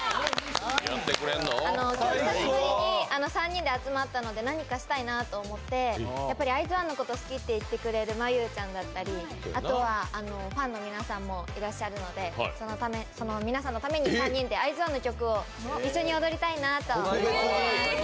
今日久しぶりに３人で集まったので何かしたいなと思ってＩＺ＊ＯＮＥのことを好きと言ってくれる真悠ちゃんだったり、あとはファンの皆さんもいらっしゃるので、その皆さんのために３人でＩＺ＊ＯＮＥの曲を一緒に踊りたいなと思います。